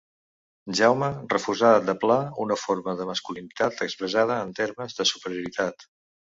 Jaume refusà de pla una forma de masculinitat expressada en termes de superioritat.